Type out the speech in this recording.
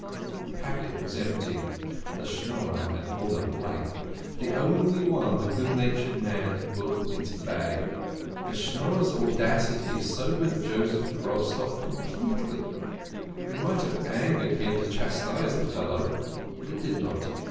The packet was empty the Schnorrer had drawn a blank ; the only one the good natured man had put into the bag. The Schnorrer 1 s audacity sobered Joseph Grobstock com pletely ; it might have angered him to chastise the fellow, but it did not.